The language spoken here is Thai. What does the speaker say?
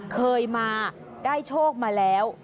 เคยมาได้โชคมาแล้ว